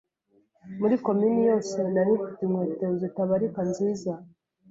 muri komini yose, nari mfite inkweto zitabarika nziza,